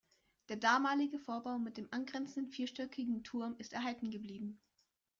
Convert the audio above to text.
Der damalige Vorbau mit dem angrenzenden vierstöckigen Turm ist erhalten geblieben.